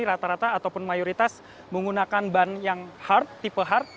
rata rata ataupun mayoritas menggunakan ban yang hard tipe hard